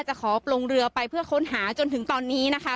จะขอปลงเรือไปเพื่อค้นหาจนถึงตอนนี้นะคะ